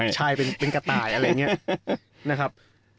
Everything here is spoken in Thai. ใช่เป็นกระต่ายอะไรอย่างเงี้ย